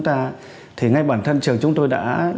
thì ngay bản thân trường chúng tôi đã